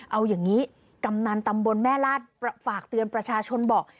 เอาอย่างนี้กำนันตำบลแม่ลาศฝากเตือนประชาชนบอก